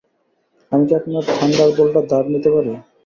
আমি কি আপনার থান্ডারবোল্টটা ধার নিতে পারি?